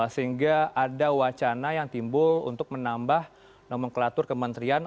sehingga ada wacana yang timbul untuk menambah nomenklatur kementerian